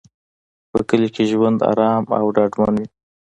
په کلي کې ژوند ارام او ډاډمن وي.